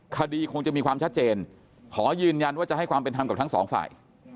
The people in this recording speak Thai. คดีคงจะมีความชัดเจนขอยืนยันว่าจะให้ความเป็นธรรมกับทั้งสองฝ่าย